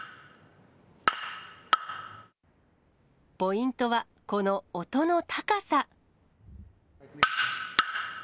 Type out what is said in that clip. ポイントは、この音の高さ。